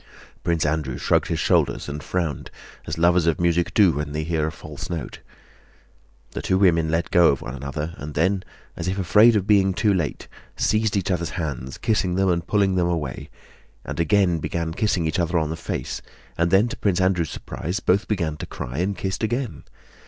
Prince Andrew shrugged his shoulders and frowned, as lovers of music do when they hear a false note. The two women let go of one another, and then, as if afraid of being too late, seized each other's hands, kissing them and pulling them away, and again began kissing each other on the face, and then to Prince Andrew's surprise both began to cry and kissed again.